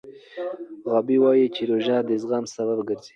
غابي وايي چې روژه د زغم سبب ګرځي.